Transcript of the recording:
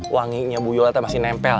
wanginya buyolatnya masih nempel